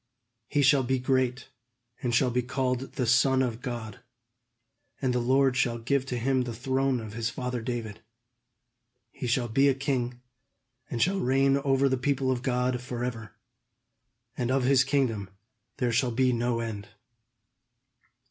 He shall be great, and shall be called the Son of God; and the Lord shall give to him the throne of his father David. He shall be a king, and shall reign over the people of God forever; and of his kingdom there shall be no end."